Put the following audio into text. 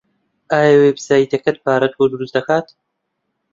ئایا وێبسایتەکەت پارەت بۆ دروست دەکات؟